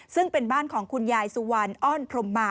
ซึ่งเป็นบ้านของคุณยายสุวรรณอ้อนพรมมา